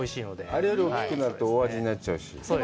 あれより大きくなると大味になっちゃうし。